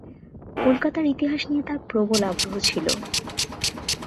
কলকাতার ইতিহাস নিয়ে তার প্রবল আগ্রহ ছিল।